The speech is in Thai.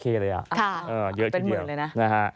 ค่ะเป็นเหมือนเลยนะ